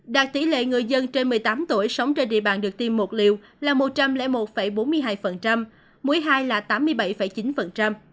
đạt tỷ lệ người dân trên một mươi tám tuổi sống trên địa bàn được tiêm một liều là một trăm linh một bốn mươi hai muối hai là tám mươi bảy chín